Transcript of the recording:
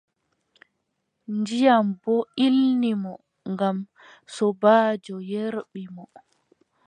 Ndiyam boo ilni mo ngam sobaajo yerɓi mo.